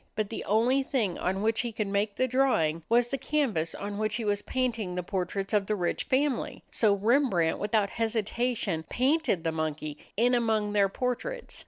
But the only thing on which he could make the drawing was the canvas on which he was painting the portraits of the rich family. So Rembrandt, without hesitation, painted the monkey in among their portraits.